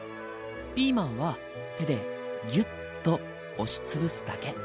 ピーマンは手でギュッと押しつぶすだけ。